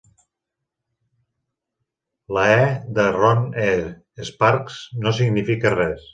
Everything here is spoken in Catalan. La "E" de "Ron E Sparks" no significa res.